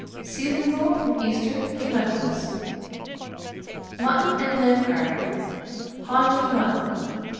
Seasonable from Easter to Michaelmas. MUTTON AND LAMB CARVING. HAUNCH OF MUTTON.